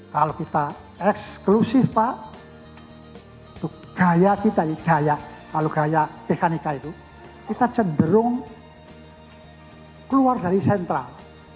kalau kita eksklusif itu gaya kita gaya teknika itu kita cenderung keluar dari sentral